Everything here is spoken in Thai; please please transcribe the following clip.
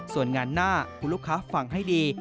ส่วนงานหน้าคุณลูกค้าฟังให้ดี